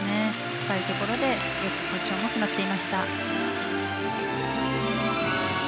深いところでよくポジションも決まっていました。